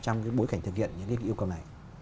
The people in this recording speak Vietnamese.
trong cái bối cảnh thực hiện những yêu cầu này